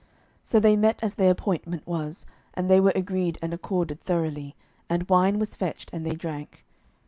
So they met as their appointment was, and they were agreed and accorded thoroughly; and wine was fetched, and they drank.